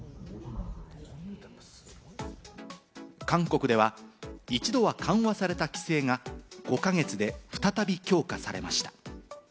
韓国では一度は緩和された規制が５か月で再び強化されました。